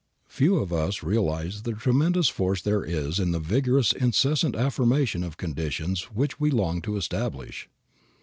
Few of us realize the tremendous force there is in the vigorous incessant affirmation of conditions which we long to establish.